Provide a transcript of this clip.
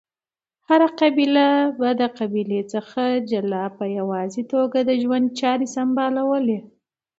هره قبیله به د قبیلی څخه جلا په یواځی توګه ژوند چاری سمبالولی